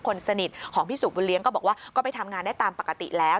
คนสนิทของพี่สุบุญเลี้ยงก็บอกว่าก็ไปทำงานได้ตามปกติแล้ว